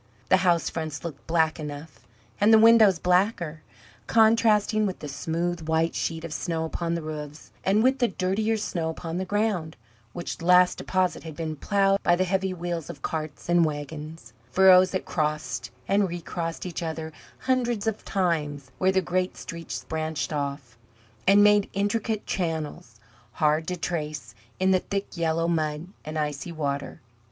The house fronts looked black enough, and the windows blacker, contrasting with the smooth white sheet of snow upon the roofs, and with the dirtier snow upon the ground, which last deposit had been ploughed up in deep furrows by the heavy wheels of carts and wagons; furrows that crossed and recrossed each other hundreds of times where the great streets branched off, and made intricate channels, hard to trace, in the thick yellow mud and icy water.